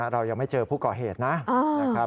เรายังไม่เจอผู้ก่อเหตุนะครับ